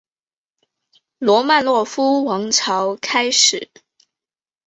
罗曼诺夫王朝开始。